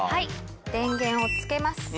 電源をつけます。